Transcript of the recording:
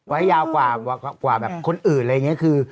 ยาวกว่าแบบคนอื่นอะไรอย่างนี้คือ